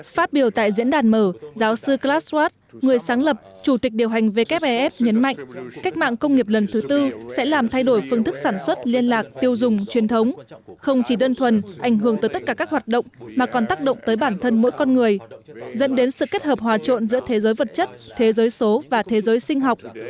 phát biểu tại diễn đàn mở giáo sư klaas watt người sáng lập chủ tịch điều hành wef nhấn mạnh cách mạng công nghiệp lần thứ tư sẽ làm thay đổi phương thức sản xuất liên lạc tiêu dùng truyền thống không chỉ đơn thuần ảnh hưởng tới tất cả các hoạt động mà còn tác động tới bản thân mỗi con người dẫn đến sự kết hợp hòa trộn giữa thế giới vật chất thế giới số và thế giới sinh học